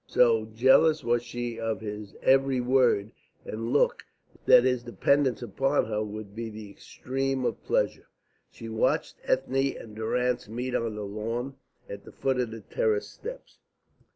So jealous was she of his every word and look that his dependence upon her would be the extreme of pleasure. She watched Ethne and Durrance meet on the lawn at the foot of the terrace steps.